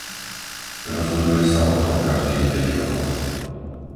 Rozhoduje sa o tom každých päť rokov.